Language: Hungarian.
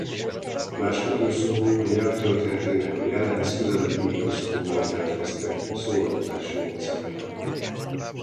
Más kötőszók a nyelv történetének a jelenhez közelebbi időszakokban keletkeztek szóalkotási módszerekkel.